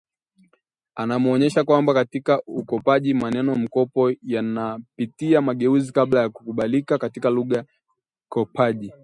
Anaonyesha kwamba katika ukopaji, maneno mkopo yanapitia mageuzi kabla ya kukubalika katika lugha kopaji